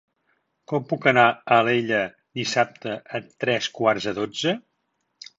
Com puc anar a Alella dissabte a tres quarts de dotze?